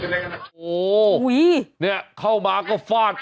โหเห้ยนะเข้ามาก็ฟาด